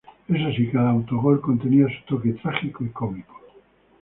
Eso sí, cada autogol contenía su toque trágico y cómico.